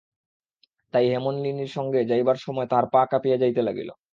তাই হেমনলিনীর সঙ্গে যাইবার সময় তাহার পা কাঁপিয়া যাইতে লাগিল।